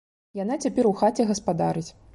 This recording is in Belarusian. Яна цяпер у хаце гаспадарыць.